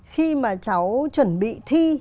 khi mà cháu chuẩn bị thi